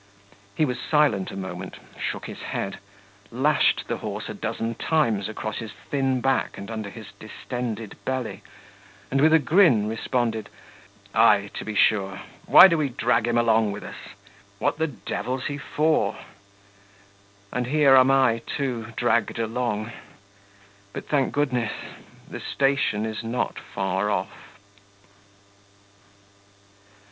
He was silent a moment, shook his head, lashed the horse a dozen times across his thin back and under his distended belly, and with a grin responded: 'Ay, to be sure; why do we drag him along with us? What the devil's he for?' And here am I too dragged along. But, thank goodness, the station is not far off.